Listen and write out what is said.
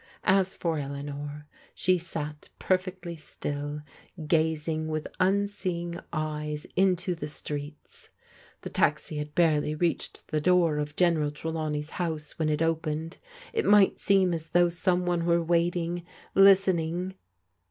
As for Eleanor, she sat perfectly still, gazing with tmseeing eyes into the streets. The taxi had barely reached the door of General Tre lawney's house when it opened. It might seem as though some one were waiting, listening.